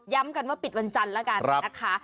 กันว่าปิดวันจันทร์แล้วกันนะคะ